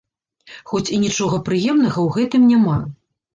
Хоць і нічога прыемнага ў гэтым няма.